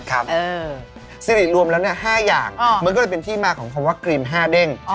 ครับสิฤทธิ์รวมแล้วเนี่ย๕อย่างมันก็จะเป็นที่มาของคำว่ากรีมห้าเด้ง